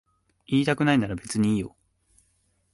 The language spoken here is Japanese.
言いたくないなら別にいいよ。